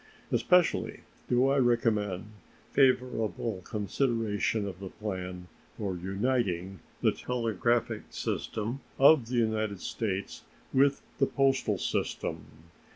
Especially do I recommend favorable consideration of the plan for uniting the telegraphic system of the United States with the postal system.